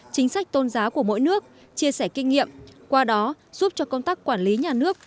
chính sách tôn giáo của mỗi nước chia sẻ kinh nghiệm qua đó giúp cho công tác quản lý nhà nước